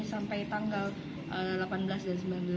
sampai tanggal delapan belas januari